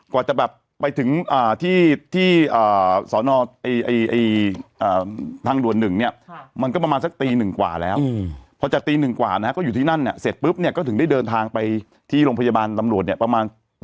ค่ะอ่าพอเที่ยงคืนครึ่งเสร็จพอชนเสร็จปุ๊บเนี่ยนะฮะ